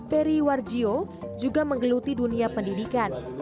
peri warjio juga menggeluti dunia pendidikan